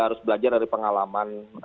harus belajar dari pengalaman